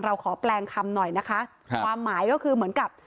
เราขอแปลงคำหน่อยนะคะครับความหมายก็คือเหมือนกับ